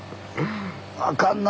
「あかんな」